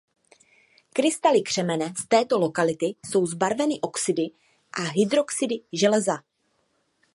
Krystaly křemene z této lokality jsou zbarveny oxidy a hydroxidy železa.